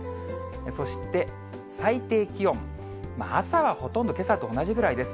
そして最低気温、朝はほとんどけさと同じぐらいです。